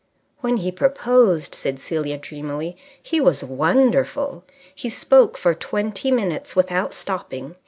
"When he proposed," said Celia dreamily, "he was wonderful. He spoke for twenty minutes without stopping.